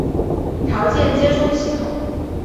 条件接收系统。